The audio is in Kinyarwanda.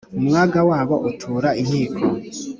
Umwaga wabo utura inkiko